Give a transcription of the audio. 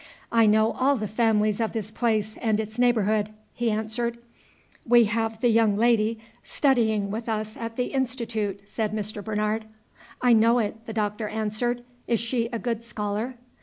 "I know all the families of this place and its neighborhood," he answered. "We have the young lady studying with us at the Institute," said Mr. Bernard. "I know it," the Doctor answered. "Is she a good scholar?"